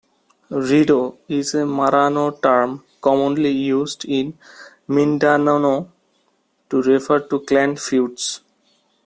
"Rido" is a Maranao term commonly used in Mindanao to refer to clan feuds.